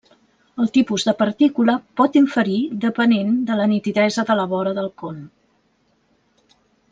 El tipus de partícula pot inferir depenent de la nitidesa de la vora del con.